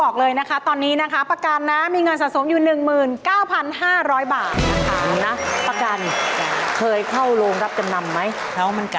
เกมรักจำนำ